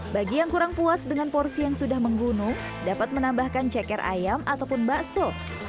bagi yang kurang puas dengan porsi yang sudah menggunung dapat menambahkan ceker ayam ataupun bakso